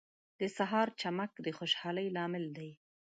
• د سهار چمک د خوشحالۍ لامل دی.